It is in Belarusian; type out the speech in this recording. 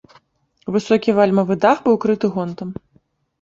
Высокі вальмавы дах быў крыты гонтам.